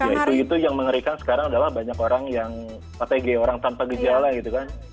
ya itu itu yang mengerikan sekarang adalah banyak orang yang otg orang tanpa gejala gitu kan